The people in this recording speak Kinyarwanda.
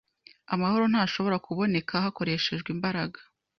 Amahoro ntashobora kuboneka hakoreshejwe imbaraga